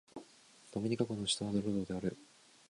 ドミニカ国の首都はロゾーである